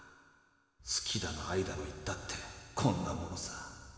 好きだの愛だの言ったってこんなもんさ。